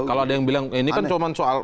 kalau ada yang bilang ini kan cuma soal